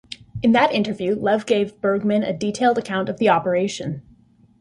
In that interview, Lev gave Bergman a detailed account of the operation.